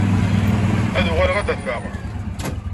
Ad uɣaleɣ ad d-afeɣ.